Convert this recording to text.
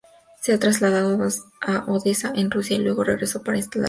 Se trasladó a Odessa, en Rusia, y luego regresó para instalarse en París.